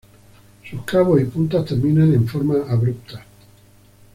Sus cabos y puntas terminan en forma abrupta.